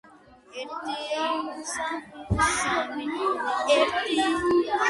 ალექსანდრე თვალჭრელიძე საქართველოში მინერალურ–პეტროგრაფიულ კვლევათა ფუძემდებელია.